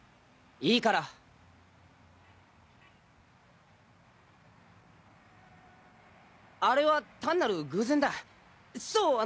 いいからあれは単なる偶然だそう